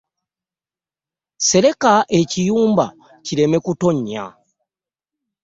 Sereka ekiyumba kireme ku ttonya.